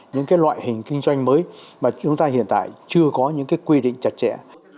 những loại hình kinh doanh mới mà chúng ta hiện tại chưa có những quy định chặt chẽ